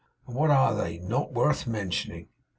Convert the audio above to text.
'And what are they? Not worth mentioning!